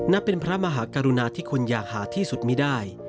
นับเป็นพระมหากรุณาที่คุณอย่างหาที่สุดไม่ได้